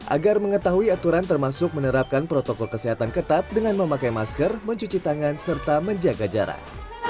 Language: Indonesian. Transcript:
agar mengetahui aturan termasuk menerapkan protokol kesehatan ketat dengan memakai masker mencuci tangan serta menjaga jarak